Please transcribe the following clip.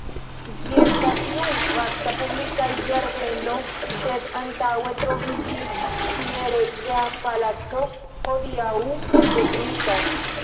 Ĝi estas nun vasta publika ĝardeno, sed antaŭe troviĝis tie reĝa palaco, hodiaŭ detruita.